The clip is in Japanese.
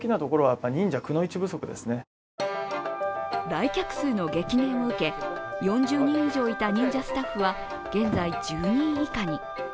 来客数の激減を受け、４０人以上いた忍者スタッフは、現在１０人以下に。